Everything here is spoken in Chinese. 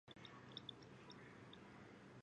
汉中与涪城相差千里。